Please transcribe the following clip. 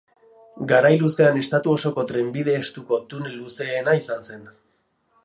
Garai luzean estatu osoko trenbide estuko tunel luzeena izan zen.